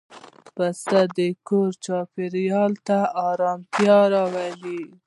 پسه د کور چاپېریال ته آرامتیا راولي.